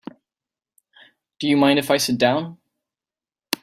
Do you mind if I sit down?